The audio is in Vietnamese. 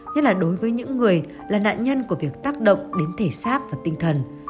nhất là đối với những người là nạn nhân của việc tác động đến thể xác và tinh thần